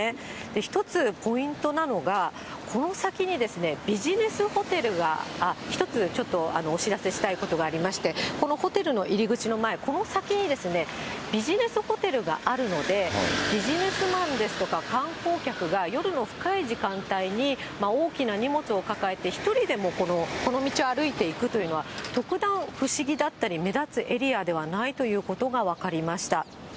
一つ、ポイントなのがこの先に、ビジネスホテルが、１つちょっとお知らせしたいことがありまして、このホテルの入り口の前、この先に、ビジネスホテルがあるので、ビジネスマンですとか、観光客が、夜の深い時間帯に、大きな荷物を抱えて１人でもこの道を歩いていくというのは、特段不思議だったり、目立つエリアではないということが分かりました。